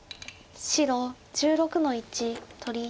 白１６の一取り。